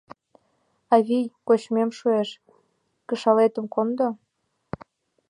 Авий, кочмем шуэш, кышалетым кондо.